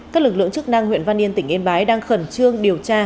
các lực lượng chức năng huyện văn yên tỉnh yên bái đang khẩn trương điều tra